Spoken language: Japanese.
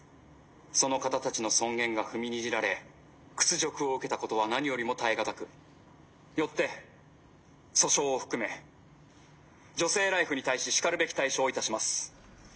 その方たちの尊厳が踏みにじられ屈辱を受けたことは何よりも耐え難くよって訴訟を含め『女性ＬＩＦＥ』に対ししかるべき対処をいたします。